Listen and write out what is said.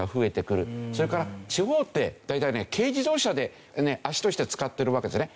それから地方って大体ね軽自動車で足として使っているわけですよね。